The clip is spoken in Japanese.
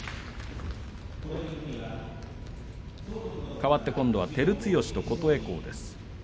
かわって照強と琴恵光です。